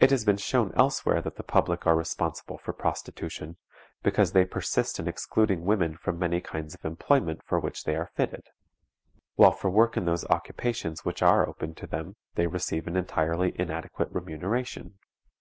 It has been shown elsewhere that the public are responsible for prostitution, because they persist in excluding women from many kinds of employment for which they are fitted; while for work in those occupations which are open to them they receive an entirely inadequate remuneration.